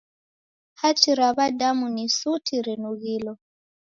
Hachi ra w'adamu ni suti rinughilo.